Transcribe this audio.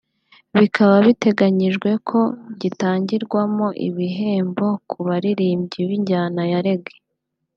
bikaba biteganyijwe ko gitangirwamo ibihembo ku baririmbyi b’injyana ya Reggae